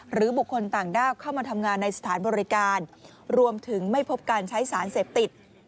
บุคคลต่างด้าวเข้ามาทำงานในสถานบริการรวมถึงไม่พบการใช้สารเสพติด